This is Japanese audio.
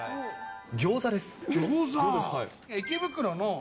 ギョーザです。